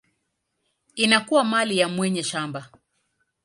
inakuwa mali ya mwenye shamba.